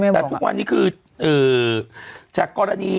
ยังไงยังไงยังไงยังไง